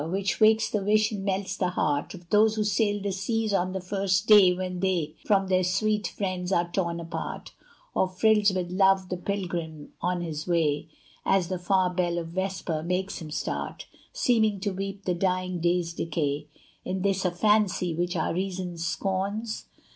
which wakes the wish and melts the heart Of those who sail the seas, on the first day When they from their sweet friends are torn apart; Or fills with love the pilgrim on his way As the far bell of vesper makes him start, Seeming to weep the dying day's decay. Is this a fancy which our reason scorns?